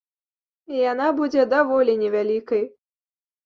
Яна будзе даволі невялікай.